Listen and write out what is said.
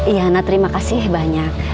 iya na terima kasih banyak